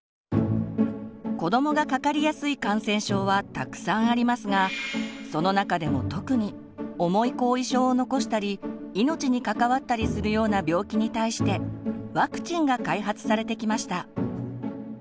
子どもがかかりやすい感染症はたくさんありますがその中でも特に重い後遺症を残したり命に関わったりするような病気に対してワクチンが開発されてきました。